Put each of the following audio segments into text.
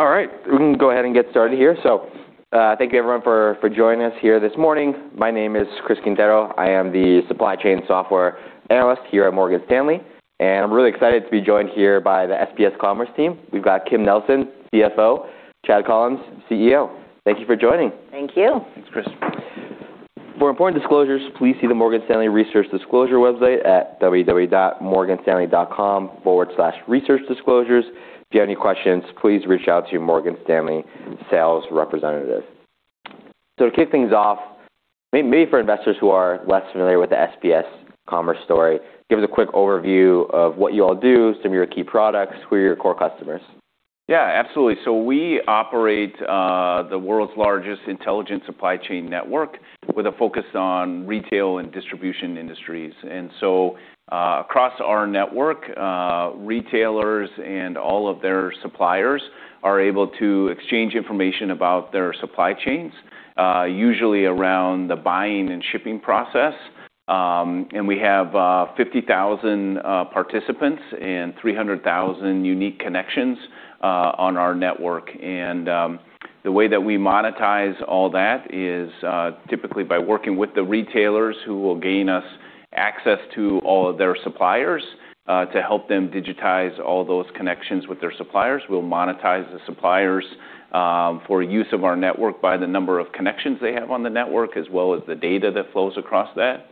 All right, we can go ahead and get started here. Thank you everyone for joining us here this morning. My name is Chris Quintero. I am the supply chain software analyst here at Morgan Stanley, and I'm really excited to be joined here by the SPS Commerce team. We've got Kim Nelson, CFO, Chad Collins, CEO. Thank you for joining. Thank you. Thanks, Chris. For important disclosures, please see the Morgan Stanley Research Disclosure website at www.morganstanley.com/researchdisclosures. If you have any questions, please reach out to your Morgan Stanley sales representative. Maybe for investors who are less familiar with the SPS Commerce story, give us a quick overview of what you all do, some of your key products, who are your core customers? Absolutely. We operate the world's largest intelligent supply chain network with a focus on retail and distribution industries. Across our network, retailers and all of their suppliers are able to exchange information about their supply chains, usually around the buying and shipping process. We have 50,000 participants and 300,000 unique connections on our network. The way that we monetize all that is typically by working with the retailers who will gain us access to all of their suppliers, to help them digitize all those connections with their suppliers. We'll monetize the suppliers for use of our network by the number of connections they have on the network, as well as the data that flows across that.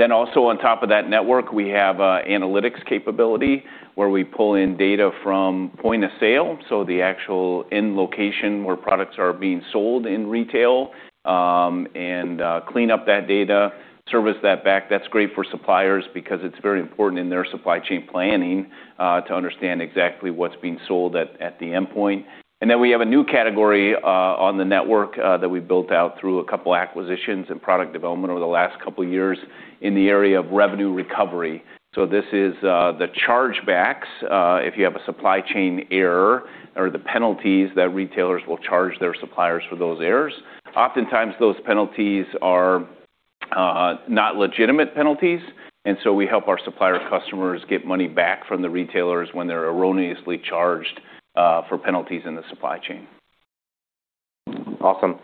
Also on top of that network, we have a Analytics capability where we pull in data from point of sale, so the actual end location where products are being sold in retail, and clean up that data, service that back. That's great for suppliers because it's very important in their supply chain planning to understand exactly what's being sold at the endpoint. We have a new category on the network that we built out through a couple acquisitions and product development over the last couple years in the area of revenue recovery. This is the chargebacks, if you have a supply chain error or the penalties that retailers will charge their suppliers for those errors. Oftentimes, those penalties are not legitimate penalties, and so we help our supplier customers get money back from the retailers when they're erroneously charged for penalties in the supply chain. Awesome.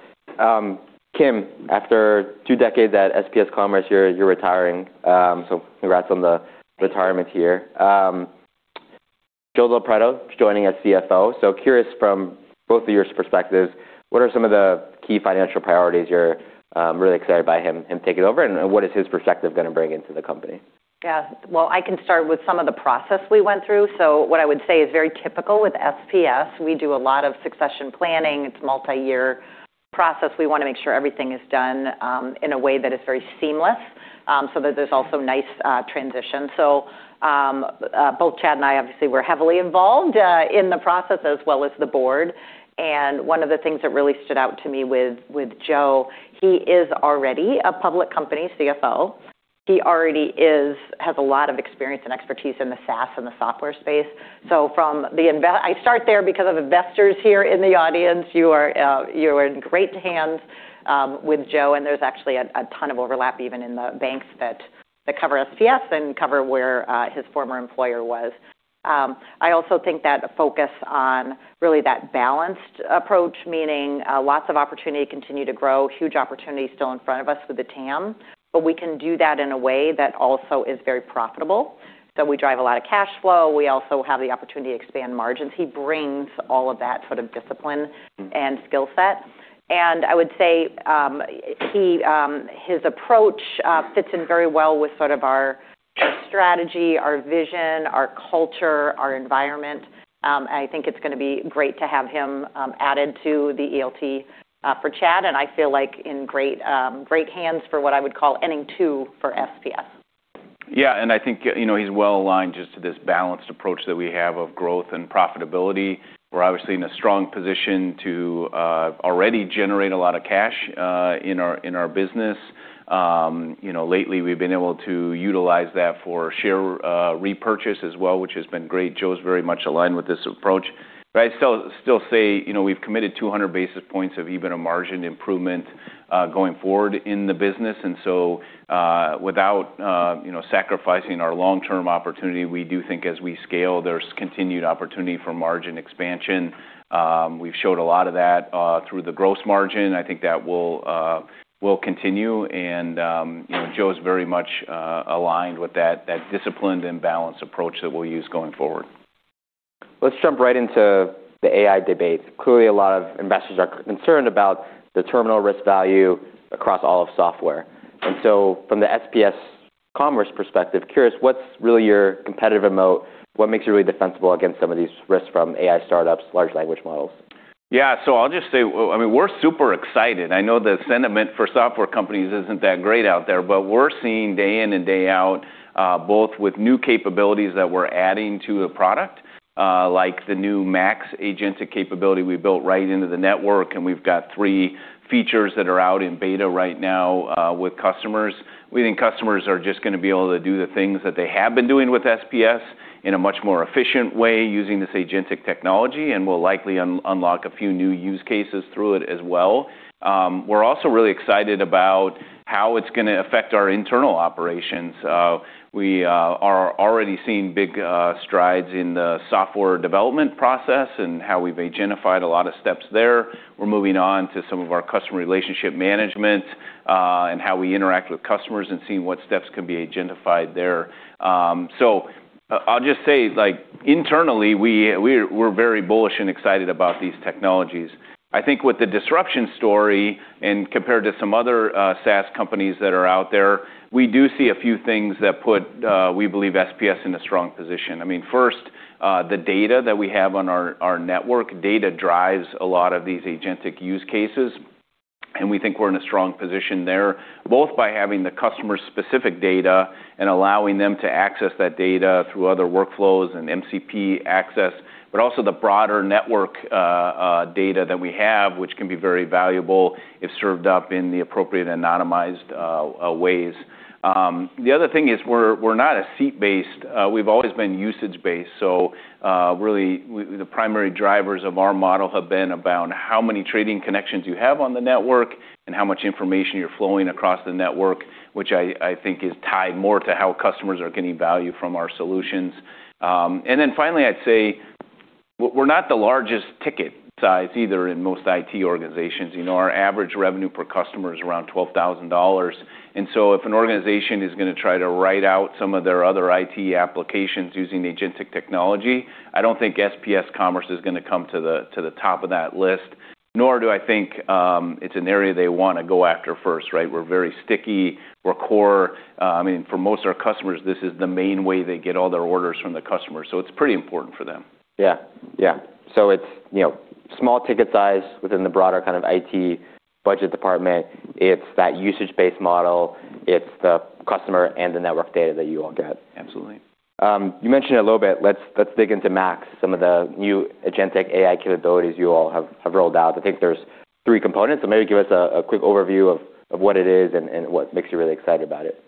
Kim, after two decades at SPS Commerce, you're retiring, congrats on the retirement here. Joe Del Preto joining as CFO. Curious from both of your perspectives, what are some of the key financial priorities you're really excited by him taking over, and what is his perspective gonna bring into the company? Yeah. Well, I can start with some of the process we went through. What I would say is very typical with SPS, we do a lot of succession planning. It's multi-year process. We wanna make sure everything is done in a way that is very seamless so that there's also nice transition. Both Chad and I obviously were heavily involved in the process as well as the board. One of the things that really stood out to me with Joe, he is already a public company CFO. He already has a lot of experience and expertise in the SaaS and the software space. From the I start there because of investors here in the audience. You are, you are in great hands, with Joe. There's actually a ton of overlap even in the banks that cover SPS and cover where, his former employer was. I also think that a focus on really that balanced approach, meaning, lots of opportunity to continue to grow, huge opportunity still in front of us with the TAM, but we can do that in a way that also is very profitable. We drive a lot of cash flow. We also have the opportunity to expand margins. He brings all of that sort of discipline and skill set. I would say, he, his approach, fits in very well with sort of our strategy, our vision, our culture, our environment. I think it's gonna be great to have him added to the ELT for Chad, and I feel like in great hands for what I would call inning two for SPS. Yeah. I think, you know, he's well aligned just to this balanced approach that we have of growth and profitability. We're obviously in a strong position to already generate a lot of cash in our business. You know, lately we've been able to utilize that for share repurchase as well, which has been great. Joe's very much aligned with this approach, I still say, you know, we've committed 200 basis points of EBITDA margin improvement going forward in the business. Without, you know, sacrificing our long-term opportunity, we do think as we scale, there's continued opportunity for margin expansion. We've showed a lot of that through the gross margin. I think that will continue. you know, Joe's very much aligned with that disciplined and balanced approach that we'll use going forward. Let's jump right into the AI debate. Clearly, a lot of investors are concerned about the terminal risk value across all of software. From the SPS Commerce perspective, curious, what's really your competitive moat? What makes you really defensible against some of these risks from AI startups, large language models? Yeah. I'll just say, I mean, we're super excited. I know the sentiment for software companies isn't that great out there, but we're seeing day in and day out, both with new capabilities that we're adding to the product. Like the new MAX agentic capability we built right into the network, and we've got three features that are out in beta right now with customers. We think customers are just gonna be able to do the things that they have been doing with SPS in a much more efficient way using this agentic technology, and we'll likely unlock a few new use cases through it as well. We're also really excited about how it's gonna affect our internal operations. We are already seeing big strides in the software development process and how we've agentified a lot of steps there. We're moving on to some of our customer relationship management, and how we interact with customers and seeing what steps can be agentified there. I'll just say, like, internally, we're very bullish and excited about these technologies. I think with the disruption story and compared to some other SaaS companies that are out there, we do see a few things that put, we believe SPS in a strong position. I mean, first, the data that we have on our network. Data drives a lot of these agentic use cases, and we think we're in a strong position there, both by having the customer-specific data and allowing them to access that data through other workflows and MCP access, but also the broader network, data that we have, which can be very valuable if served up in the appropriate anonymized ways. The other thing is we're not a seat-based, we've always been usage-based, so really the primary drivers of our model have been about how many trading connections you have on the network and how much information you're flowing across the network, which I think is tied more to how customers are getting value from our solutions. Finally, I'd say we're not the largest ticket size either in most IT organizations. You know, our average revenue per customer is around $12,000. If an organization is gonna try to write out some of their other IT applications using agentic technology, I don't think SPS Commerce is gonna come to the top of that list, nor do I think it's an area they wanna go after first, right? We're very sticky. We're core. I mean, for most of our customers, this is the main way they get all their orders from the customer, so it's pretty important for them. Yeah. Yeah. It's, you know, small ticket size within the broader kind of IT budget department. It's that usage-based model. It's the customer and the network data that you all get. Absolutely. You mentioned it a little bit. Let's dig into MAX, some of the new agentic AI capabilities you all have rolled out. I think there's three components, so maybe give us a quick overview of what it is and what makes you really excited about it.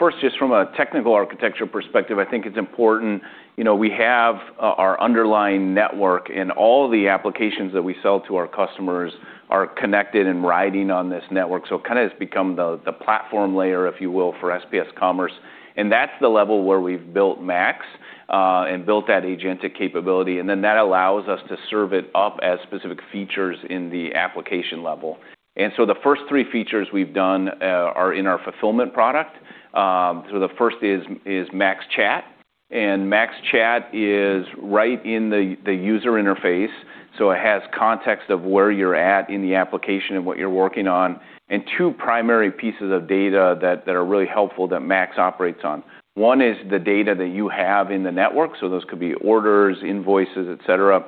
First, just from a technical architectural perspective, I think it's important, you know, we have our underlying network and all the applications that we sell to our customers are connected and riding on this network. It kinda has become the platform layer, if you will, for SPS Commerce, and that's the level where we've built MAX and built that agentic capability, and then that allows us to serve it up as specific features in the application level. The first three features we've done are in our Fulfillment product. The first is MAX Chat, and MAX Chat is right in the user interface, so it has context of where you're at in the application and what you're working on, and two primary pieces of data that are really helpful that MAX operates on. One is the data that you have in the network, so those could be orders, invoices, etcetera.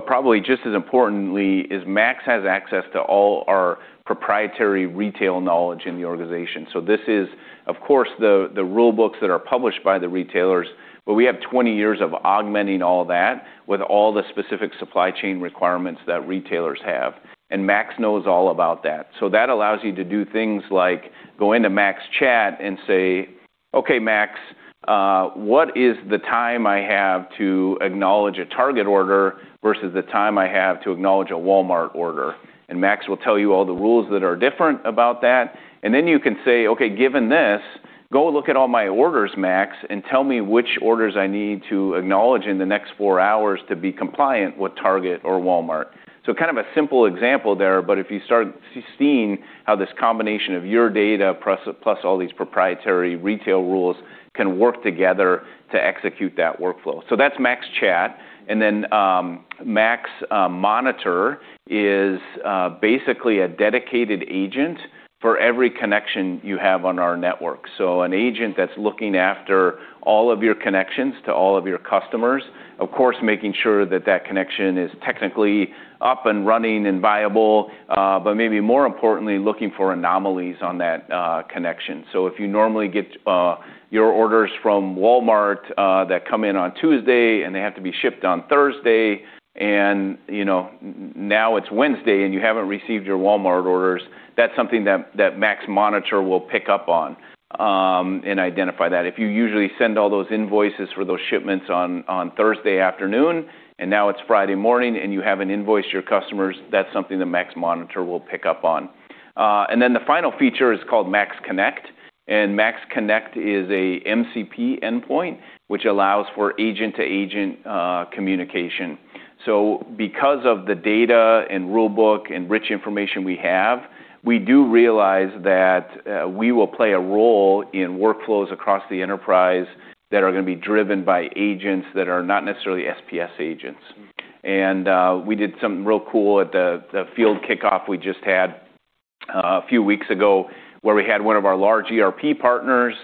Probably just as importantly is MAX has access to all our proprietary retail knowledge in the organization. This is, of course, the rule books that are published by the retailers, but we have 20 years of augmenting all that with all the specific supply chain requirements that retailers have, and MAX knows all about that. That allows you to do things like go into MAX Chat and say, "Okay, MAX, what is the time I have to acknowledge a Target order versus the time I have to acknowledge a Walmart order?" And MAX will tell you all the rules that are different about that. You can say, "Okay, given this, go look at all my orders, MAX, and tell me which orders I need to acknowledge in the next four hours to be compliant with Target or Walmart." Kind of a simple example there, but if you start seeing how this combination of your data plus all these proprietary retail rules can work together to execute that workflow. That's MAX Chat. MAX Monitor is basically a dedicated agent for every connection you have on our network. An agent that's looking after all of your connections to all of your customers. Of course, making sure that that connection is technically up and running and viable, but maybe more importantly, looking for anomalies on that connection. If you normally get your orders from Walmart that come in on Tuesday, and they have to be shipped on Thursday, and, you know, now it's Wednesday, and you haven't received your Walmart orders, that's something that MAX Monitor will pick up on and identify that. If you usually send all those invoices for those shipments on Thursday afternoon, and now it's Friday morning, and you haven't invoiced your customers, that's something the MAX Monitor will pick up on. The final feature is called MAX Connect, and MAX Connect is a MCP endpoint, which allows for agent-to-agent communication. Because of the data and rule book and rich information we have, we do realize that we will play a role in workflows across the enterprise that are gonna be driven by agents that are not necessarily SPS agents. We did something real cool at the field kickoff we just had a few weeks ago where we had one of our large ERP partners,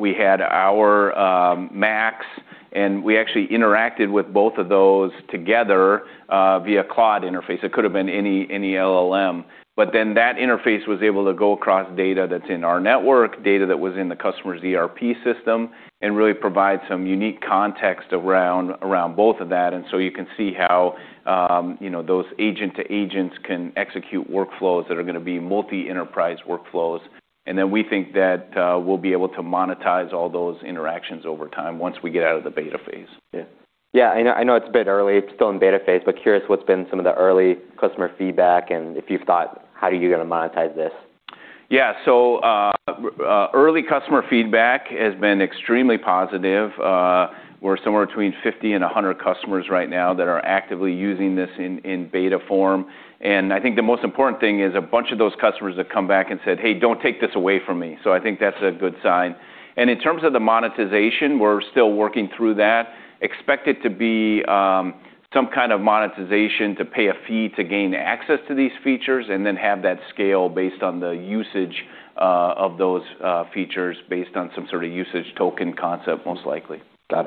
we had our MAX, and we actually interacted with both of those together via cloud interface. It could have been any LLM. That interface was able to go across data that's in our network, data that was in the customer's ERP system, and really provide some unique context around both of that. You can see how, you know, those agent to agents can execute workflows that are gonna be multi-enterprise workflows. We think that we'll be able to monetize all those interactions over time once we get out of the beta phase. Yeah. Yeah. I know, I know it's a bit early. It's still in beta phase, but curious what's been some of the early customer feedback, and if you've thought how are you gonna monetize this? Early customer feedback has been extremely positive. We're somewhere between 50 and 100 customers right now that are actively using this in beta form. I think the most important thing is a bunch of those customers have come back and said, "Hey, don't take this away from me." I think that's a good sign. In terms of the monetization, we're still working through that. Expect it to be some kind of monetization to pay a fee to gain access to these features, and then have that scale based on the usage of those features based on some sort of usage token concept, most likely. Got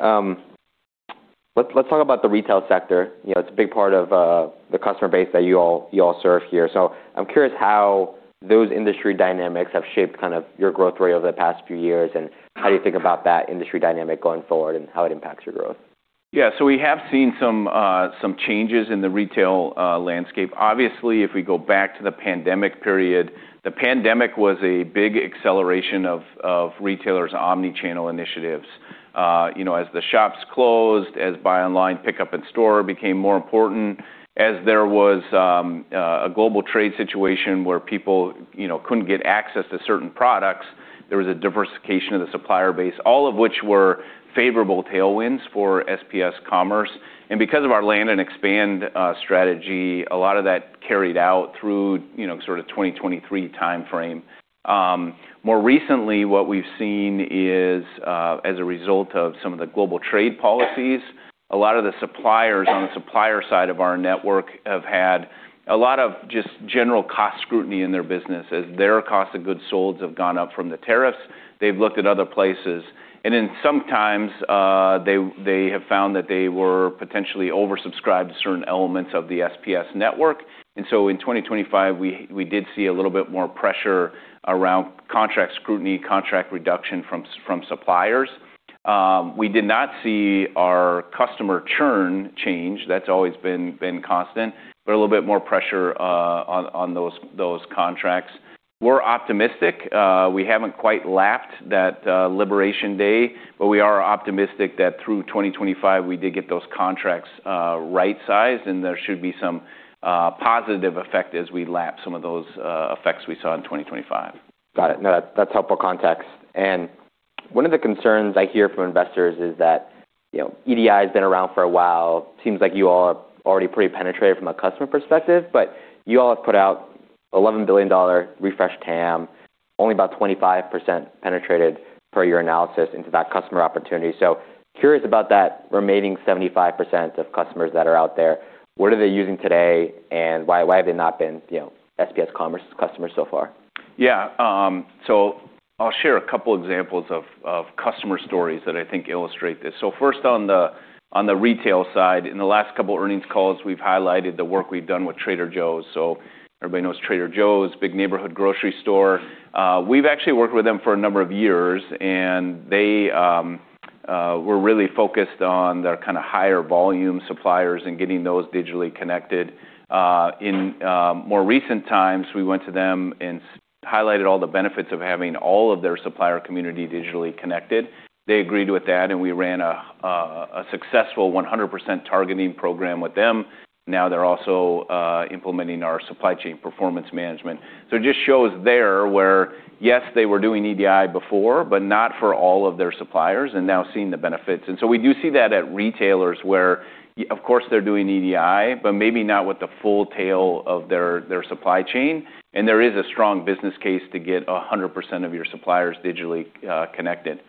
it. Let's talk about the retail sector. You know, it's a big part of the customer base that you all serve here. I'm curious how those industry dynamics have shaped kind of your growth rate over the past few years, and how you think about that industry dynamic going forward and how it impacts your growth. We have seen some changes in the retail landscape. Obviously, if we go back to the pandemic period, the pandemic was a big acceleration of retailers' omnichannel initiatives. You know, as the shops closed, as buy online pickup in store became more important, as there was a global trade situation where people, you know, couldn't get access to certain products, there was a diversification of the supplier base, all of which were favorable tailwinds for SPS Commerce. Because of our land and expand strategy, a lot of that carried out through, you know, sort of 2023 timeframe. More recently, what we've seen is, as a result of some of the global trade policies, a lot of the suppliers on the supplier side of our network have had a lot of just general cost scrutiny in their business. As their cost of goods solds have gone up from the tariffs, they've looked at other places. Sometimes, they have found that they were potentially oversubscribed to certain elements of the SPS network. In 2025, we did see a little bit more pressure around contract scrutiny, contract reduction from suppliers. We did not see our customer churn change. That's always been constant. A little bit more pressure on those contracts. We're optimistic. We haven't quite lapped that liberation day. We are optimistic that through 2025, we did get those contracts right-sized, and there should be some positive effect as we lap some of those effects we saw in 2025. Got it. No, that's helpful context. One of the concerns I hear from investors is that, you know, EDI has been around for a while. Seems like you all are already pretty penetrated from a customer perspective, but you all have put out $11 billion refresh TAM, only about 25% penetrated per your analysis into that customer opportunity. Curious about that remaining 75% of customers that are out there. What are they using today, and why have they not been, you know, SPS Commerce customers so far? Yeah. I'll share a couple examples of customer stories that I think illustrate this. First on the retail side, in the last couple earnings calls, we've highlighted the work we've done with Trader Joe's. Everybody knows Trader Joe's, big neighborhood grocery store. We've actually worked with them for a number of years, and they were really focused on their kinda higher volume suppliers and getting those digitally connected. In more recent times, we went to them and highlighted all the benefits of having all of their supplier community digitally connected. They agreed with that, and we ran a successful 100% targeting program with them. Now they're also implementing our Supply Chain Performance Management. It just shows there where, yes, they were doing EDI before, but not for all of their suppliers, and now seeing the benefits. We do see that at retailers where of course, they're doing EDI, but maybe not with the full tail of their supply chain, and there is a strong business case to get 100% of your suppliers digitally, connected.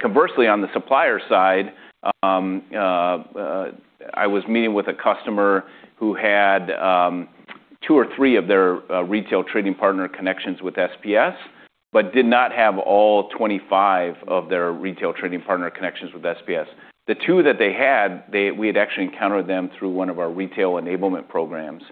Conversely, on the supplier side, I was meeting with a customer who had two or three of their retail trading partner connections with SPS, but did not have all 25 of their retail trading partner connections with SPS. The two that they had, we had actually encountered them through one of our retail enablement programs.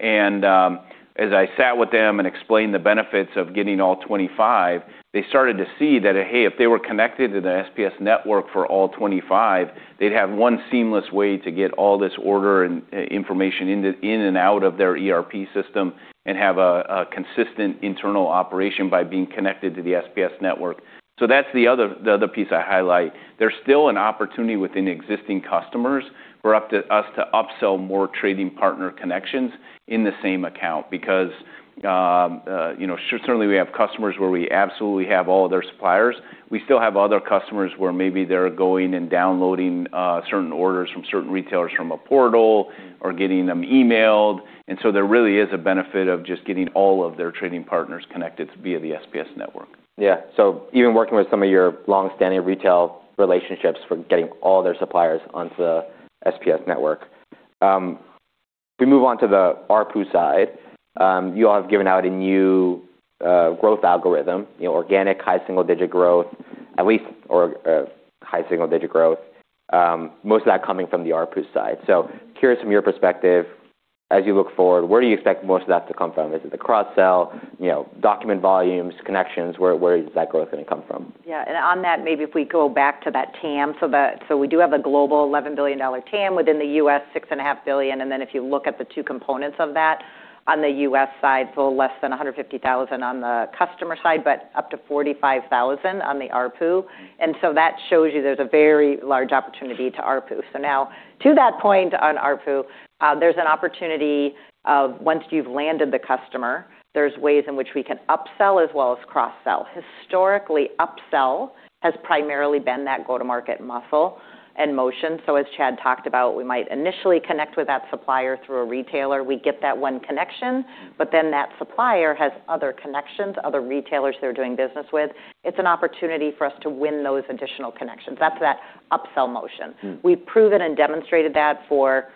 As I sat with them and explained the benefits of getting all 25, they started to see that, hey, if they were connected to the SPS network for all 25, they'd have one seamless way to get all this order and information in and out of their ERP system and have a consistent internal operation by being connected to the SPS network. That's the other, the other piece I highlight. There's still an opportunity within existing customers for us to upsell more trading partner connections in the same account because, you know, certainly we have customers where we absolutely have all of their suppliers. We still have other customers where maybe they're going and downloading certain orders from certain retailers from a portal or getting them emailed. There really is a benefit of just getting all of their trading partners connected via the SPS network. Yeah. Even working with some of your long-standing retail relationships for getting all their suppliers onto the SPS network. We move on to the ARPU side. You all have given out a new growth algorithm, you know, organic high single-digit growth, at least or high single-digit growth, most of that coming from the ARPU side. Curious from your perspective, as you look forward, where do you expect most of that to come from? Is it the cross-sell, you know, document volumes, connections, where is that growth gonna come from? Yeah. On that, maybe if we go back to that TAM. We do have a global $11 billion TAM within the US, $6 and a half billion. If you look at the two components of that, on the US side, it's a little less than 150,000 on the customer side, but up to 45,000 on the ARPU. That shows you there's a very large opportunity to ARPU. Now to that point on ARPU, there's an opportunity of once you've landed the customer, there's ways in which we can upsell as well as cross-sell. Historically, upsell has primarily been that go-to-market muscle and motion. As Chad talked about, we might initially connect with that supplier through a retailer. We get that one connection, but then that supplier has other connections, other retailers they're doing business with. It's an opportunity for us to win those additional connections. That's that upsell motion. Mm. We've proven and demonstrated that for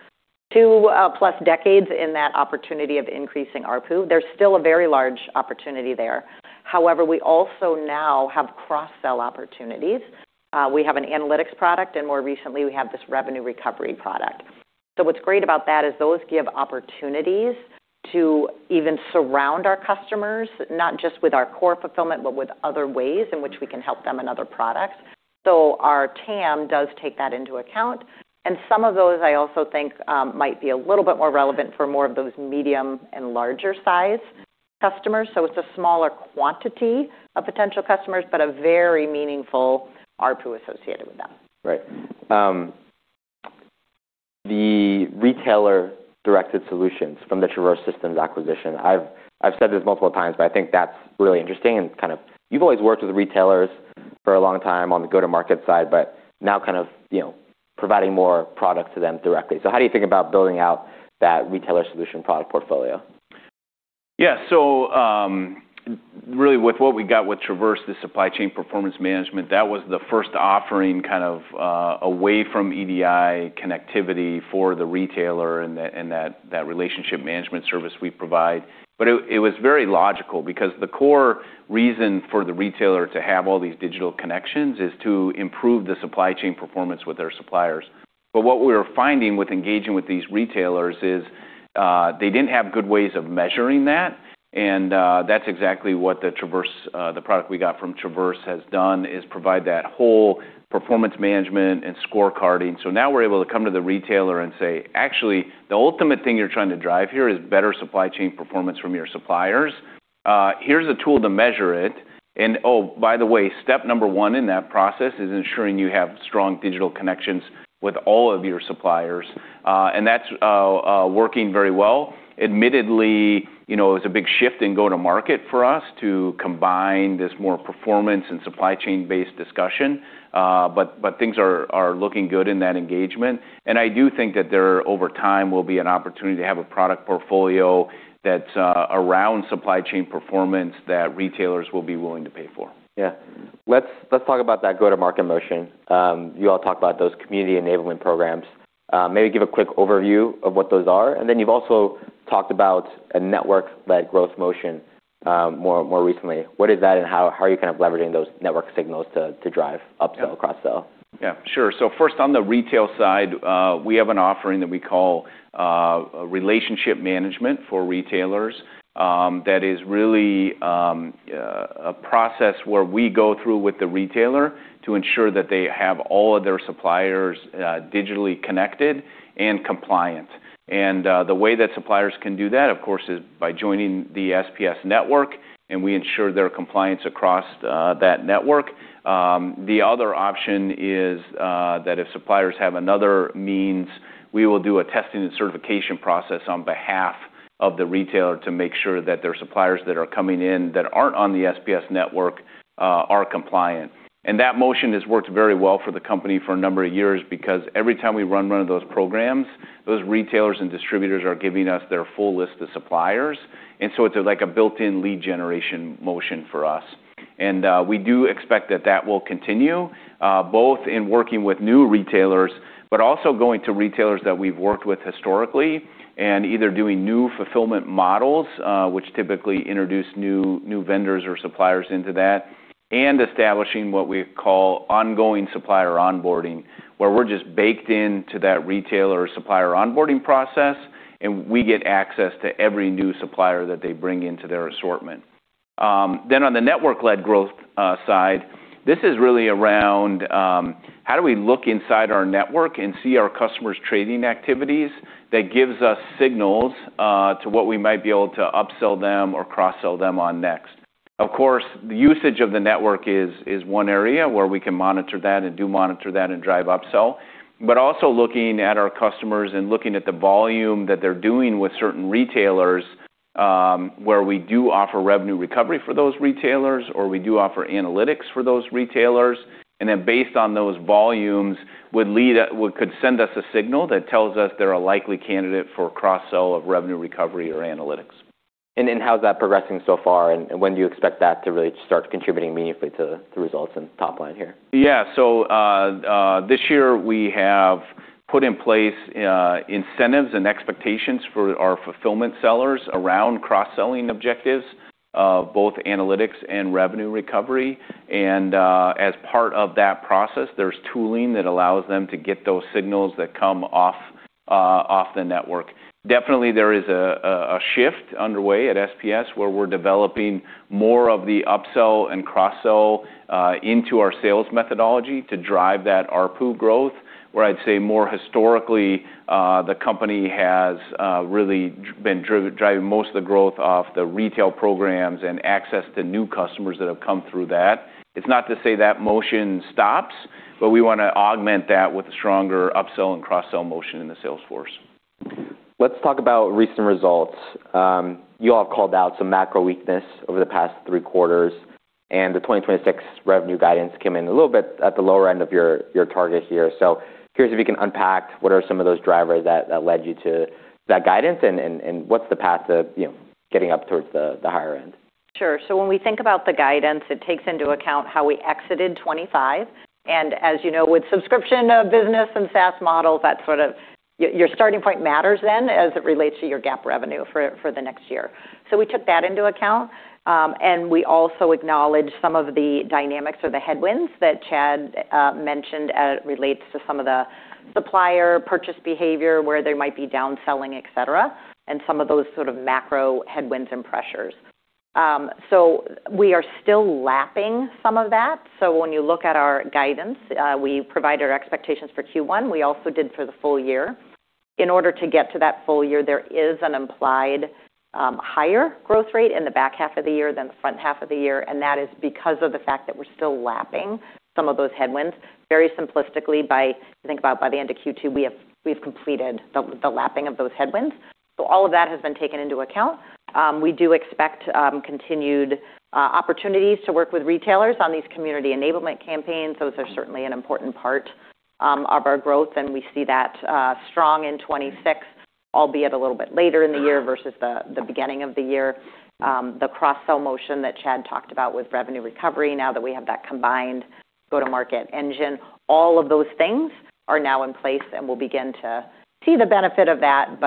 2+ decades in that opportunity of increasing ARPU. There's still a very large opportunity there. We also now have cross-sell opportunities. We have an Analytics product, and more recently, we have this Revenue Recovery product. What's great about that is those give opportunities to even surround our customers, not just with our core Fulfillment, but with other ways in which we can help them in other products. Our TAM does take that into account, and some of those I also think might be a little bit more relevant for more of those medium and larger size customers. It's a smaller quantity of potential customers, but a very meaningful ARPU associated with them. Right. The retailer-directed solutions from the Traverse Systems acquisition, I've said this multiple times, but I think that's really interesting. Kind of you've always worked with retailers for a long time on the go-to-market side, but now kind of, you know, providing more product to them directly. How do you think about building out that retailer solution product portfolio? Yeah. Really with what we got with Traverse, the Supply Chain Performance Management, that was the first offering kind of away from EDI connectivity for the retailer and that relationship management service we provide. It was very logical because the core reason for the retailer to have all these digital connections is to improve the supply chain performance with their suppliers. What we were finding with engaging with these retailers is they didn't have good ways of measuring that, and that's exactly what the Traverse, the product we got from Traverse has done, is provide that whole performance management and scorecarding. Now we're able to come to the retailer and say, "Actually, the ultimate thing you're trying to drive here is better supply chain performance from your suppliers. Here's a tool to measure it. Oh, by the way, step number one in that process is ensuring you have strong digital connections with all of your suppliers. That's working very well. Admittedly, you know, it was a big shift in go-to-market for us to combine this more performance and supply chain-based discussion, but things are looking good in that engagement. I do think that there over time will be an opportunity to have a product portfolio that's around supply chain performance that retailers will be willing to pay for. Yeah. Let's talk about that go-to-market motion. You all talk about those Community Enablement programs. Maybe give a quick overview of what those are, and then you've also talked about a network-led growth motion more recently. What is that, and how are you kind of leveraging those network signals to drive upsell, cross-sell? Yeah, sure. First, on the retail side, we have an offering that we call relationship management for retailers, that is really a process where we go through with the retailer to ensure that they have all of their suppliers digitally connected and compliant. The way that suppliers can do that, of course, is by joining the SPS network, and we ensure their compliance across that network. The other option is that if suppliers have another means, we will do a testing and certification process on behalf of the retailer to make sure that their suppliers that are coming in that aren't on the SPS network, are compliant. That motion has worked very well for the company for a number of years because every time we run one of those programs, those retailers and distributors are giving us their full list of suppliers, and so it's like a built-in lead generation motion for us. We do expect that that will continue both in working with new retailers, but also going to retailers that we've worked with historically and either doing new fulfillment models, which typically introduce new vendors or suppliers into that, and establishing what we call ongoing supplier onboarding, where we're just baked into that retailer or supplier onboarding process, and we get access to every new supplier that they bring into their assortment. On the network-led growth side, this is really around how do we look inside our network and see our customers' trading activities that gives us signals to what we might be able to upsell them or cross-sell them on next. Of course, the usage of the network is one area where we can monitor that and do monitor that and drive upsell. Also looking at our customers and looking at the volume that they're doing with certain retailers, where we do offer Revenue Recovery for those retailers, or we do offer Analytics for those retailers, and then based on those volumes, could send us a signal that tells us they're a likely candidate for cross-sell of Revenue Recovery or Analytics. How's that progressing so far, and when do you expect that to really start contributing meaningfully to results in the top line here? Yeah. This year we have put in place incentives and expectations for our Fulfillment sellers around cross-selling objectives of both Analytics and Revenue Recovery. As part of that process, there's tooling that allows them to get those signals that come off the network. Definitely, there is a shift underway at SPS, where we're developing more of the upsell and cross-sell into our sales methodology to drive that ARPU growth, where I'd say more historically, the company has really driving most of the growth off the retail programs and access to new customers that have come through that. It's not to say that motion stops, but we wanna augment that with a stronger upsell and cross-sell motion in the sales force. Let's talk about recent results. You all called out some macro weakness over the past 3 quarters. The 2026 revenue guidance came in a little bit at the lower end of your target here. Curious if you can unpack what are some of those drivers that led you to that guidance and what's the path to, you know, getting up towards the higher end? Sure. When we think about the guidance, it takes into account how we exited 25. As you know, with subscription business and SaaS models, that sort of your starting point matters then as it relates to your GAAP revenue for the next year. We took that into account, and we also acknowledge some of the dynamics or the headwinds that Chad mentioned as it relates to some of the supplier purchase behavior, where there might be downselling, et cetera, and some of those sort of macro headwinds and pressures. We are still lapping some of that. When you look at our guidance, we provide our expectations for Q1. We also did for the full year. In order to get to that full year, there is an implied higher growth rate in the back half of the year than the front half of the year. That is because of the fact that we're still lapping some of those headwinds. Very simplistically, by the end of Q2, we've completed the lapping of those headwinds. All of that has been taken into account. We do expect continued opportunities to work with retailers on these community enablement campaigns. Those are certainly an important part of our growth. We see that strong in 2026, albeit a little bit later in the year versus the beginning of the year. The cross-sell motion that Chad talked about with revenue recovery, now that we have that combined go-to-market engine, all of those things are now in place, and we'll begin to see the benefit of that.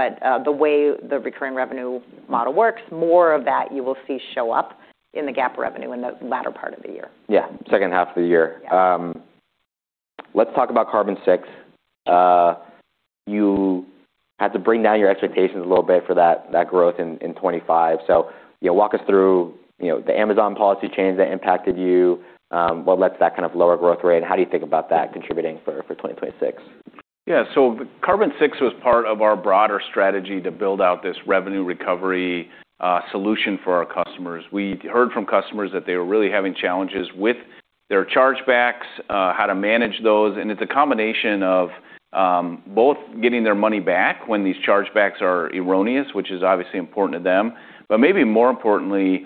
The way the recurring revenue model works, more of that you will see show up in the GAAP revenue in the latter part of the year. Yeah. Second half of the year. Yeah. Let's talk about Carbon6. You had to bring down your expectations a little bit for that growth in 2025. You know, walk us through, you know, the Amazon policy change that impacted you, what led to that kind of lower growth rate, and how do you think about that contributing for 2026? Carbon6 was part of our broader strategy to build out this revenue recovery solution for our customers. We heard from customers that they were really having challenges with their chargebacks, how to manage those, and it's a combination of both getting their money back when these chargebacks are erroneous, which is obviously important to them, but maybe more importantly,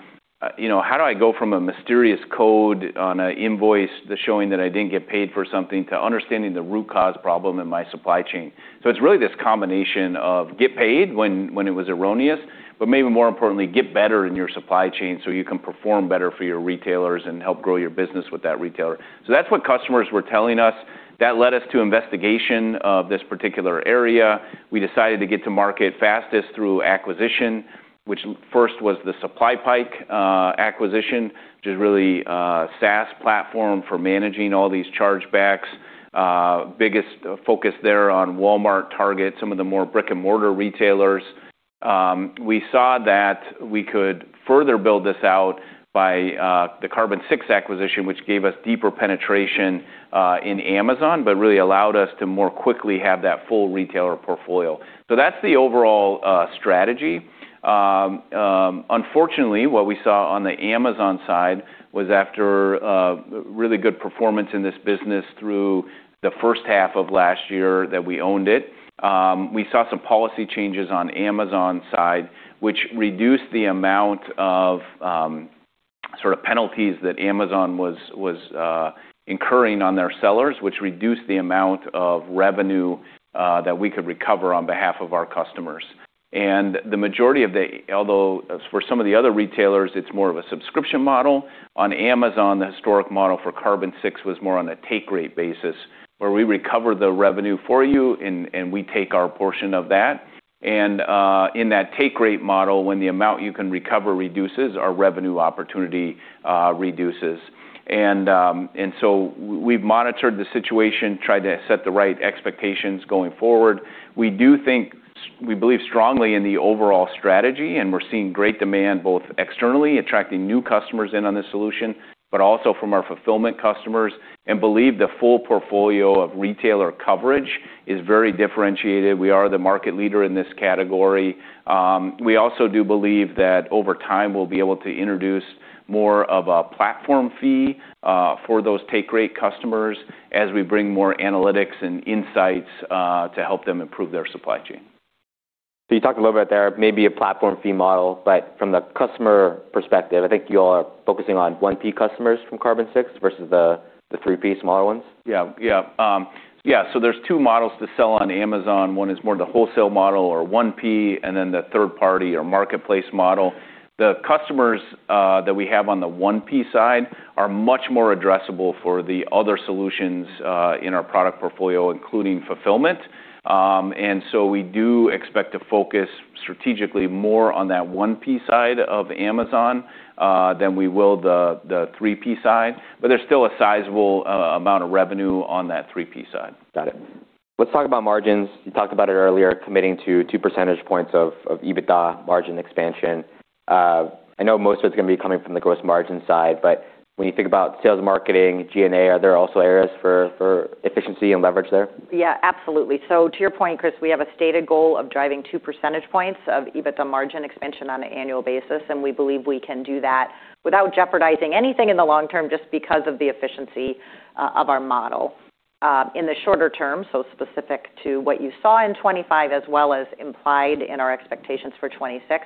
you know, how do I go from a mysterious code on an invoice that's showing that I didn't get paid for something to understanding the root cause problem in my supply chain? It's really this combination of get paid when it was erroneous, but maybe more importantly, get better in your supply chain so you can perform better for your retailers and help grow your business with that retailer. That's what customers were telling us. That led us to investigation of this particular area. We decided to get to market fastest through acquisition, which first was the SupplyPike acquisition, which is really a SaaS platform for managing all these chargebacks. Biggest focus there on Walmart, Target, some of the more brick-and-mortar retailers. We saw that we could further build this out by the Carbon6 acquisition, which gave us deeper penetration in Amazon, but really allowed us to more quickly have that full retailer portfolio. That's the overall strategy. Unfortunately, what we saw on the Amazon side was after really good performance in this business through the first half of last year that we owned it, we saw some policy changes on Amazon's side, which reduced the amount of sort of penalties that Amazon was incurring on their sellers, which reduced the amount of revenue that we could recover on behalf of our customers. The majority of the. Although for some of the other retailers, it's more of a subscription model. On Amazon, the historic model for Carbon6 was more on a take rate basis, where we recover the revenue for you and we take our portion of that. In that take rate model, when the amount you can recover reduces, our revenue opportunity reduces. We've monitored the situation, tried to set the right expectations going forward. We believe strongly in the overall strategy, and we're seeing great demand, both externally, attracting new customers in on this solution, but also from our Fulfillment customers, and believe the full portfolio of retailer coverage is very differentiated. We are the market leader in this category. We also do believe that over time, we'll be able to introduce more of a platform fee, for those take rate customers as we bring more Analytics and insights to help them improve their supply chain. You talked a little bit there, maybe a platform fee model, but from the customer perspective, I think you all are focusing on 1P customers from Carbon6 versus the 3P smaller ones. Yeah. Yeah. There's two models to sell on Amazon. One is more the wholesale model or 1P, and then the third party or marketplace model. The customers that we have on the 1P side are much more addressable for the other solutions in our product portfolio, including Fulfillment. We do expect to focus strategically more on that 1P side of Amazon than we will the 3P side. There's still a sizable amount of revenue on that 3P side. Got it. Let's talk about margins. You talked about it earlier, committing to 2 percentage points of EBITDA margin expansion. I know most of it's gonna be coming from the gross margin side, but when you think about sales and marketing, G&A, are there also areas for efficiency and leverage there? Yeah, absolutely. To your point, Chris, we have a stated goal of driving 2 percentage points of EBITDA margin expansion on an annual basis, and we believe we can do that without jeopardizing anything in the long term just because of the efficiency of our model. In the shorter term, specific to what you saw in 25 as well as implied in our expectations for 26,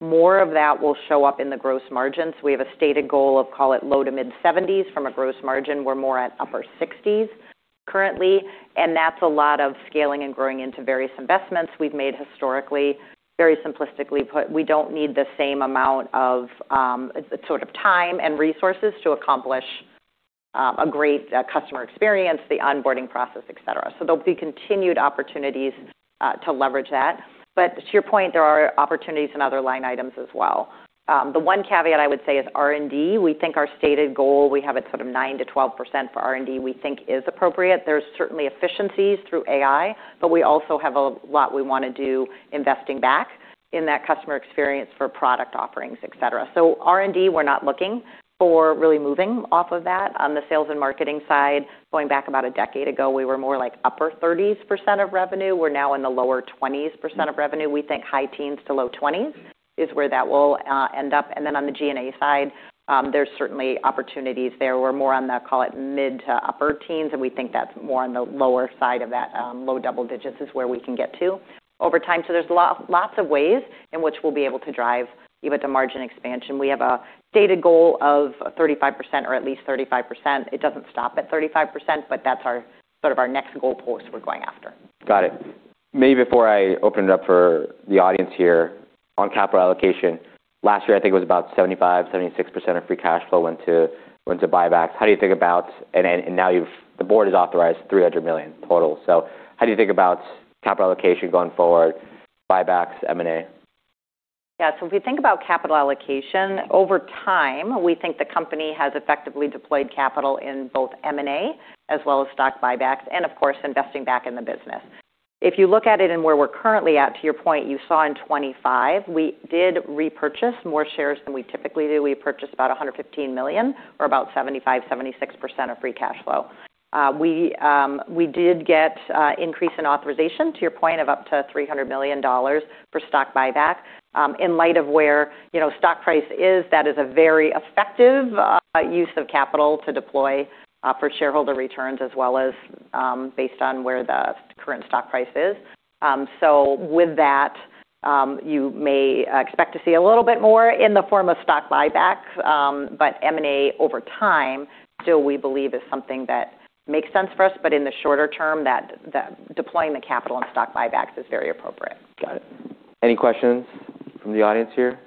more of that will show up in the gross margins. We have a stated goal of, call it, low to mid-70s from a gross margin. We're more at upper 60s currently, and that's a lot of scaling and growing into various investments we've made historically. Very simplistically put, we don't need the same amount of sort of time and resources to accomplish a great customer experience, the onboarding process, et cetera. There'll be continued opportunities to leverage that. To your point, there are opportunities in other line items as well. The one caveat I would say is R&D. We think our stated goal, we have it sort of 9%-12% for R&D, we think is appropriate. There's certainly efficiencies through AI, but we also have a lot we wanna do investing back in that customer experience for product offerings, et cetera. R&D, we're not looking for really moving off of that. On the sales and marketing side, going back about a decade ago, we were more like upper 30s% of revenue. We're now in the lower 20s% of revenue. We think high teens to low 20s is where that will end up. Then on the G&A side, there's certainly opportunities there. We're more on the, call it, mid to upper teens. We think that's more on the lower side of that. Low double digits is where we can get to over time. There's lots of ways in which we'll be able to drive EBITDA margin expansion. We have a stated goal of 35% or at least 35%. It doesn't stop at 35%, but that's our, sort of our next goal post we're going after. Got it. Maybe before I open it up for the audience here, on capital allocation, last year, I think it was about 75%, 76% of free cash flow went to buybacks. Now the board has authorized $300 million total. How do you think about capital allocation going forward, buybacks, M&A? If you think about capital allocation, over time, we think the company has effectively deployed capital in both M&A as well as stock buybacks and, of course, investing back in the business. If you look at it and where we're currently at, to your point, you saw in 25 we did repurchase more shares than we typically do. We purchased about $115 million or about 75%-76% of free cash flow. We did get increase in authorization, to your point, of up to $300 million for stock buyback. In light of where, you know, stock price is, that is a very effective use of capital to deploy for shareholder returns as well as based on where the current stock price is. With that, you may expect to see a little bit more in the form of stock buybacks. M&A over time still we believe is something that makes sense for us, but in the shorter term, deploying the capital in stock buybacks is very appropriate. Got it. Any questions from the audience here?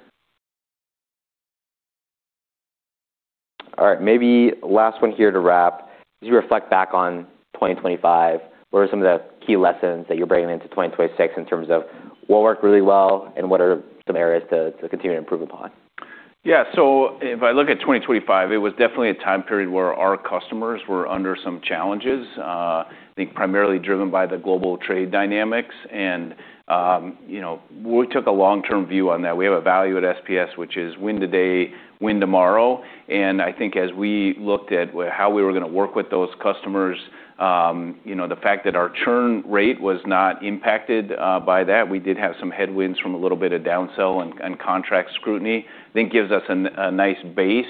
All right. Maybe last one here to wrap. As you reflect back on 2025, what are some of the key lessons that you're bringing into 2026 in terms of what worked really well and what are some areas to continue to improve upon? Yeah. If I look at 2025, it was definitely a time period where our customers were under some challenges, I think primarily driven by the global trade dynamics. You know, we took a long-term view on that. We have a value at SPS, which is win today, win tomorrow. I think as we looked at how we were gonna work with those customers, you know, the fact that our churn rate was not impacted by that, we did have some headwinds from a little bit of downsell and contract scrutiny, I think gives us a nice base.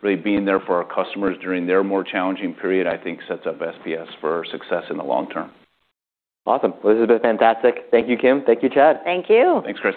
Really being there for our customers during their more challenging period, I think sets up SPS for success in the long term. Awesome. This has been fantastic. Thank you, Kim. Thank you, Chad. Thank you. Thanks, Chris.